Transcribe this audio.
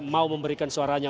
mau memberikan suaranya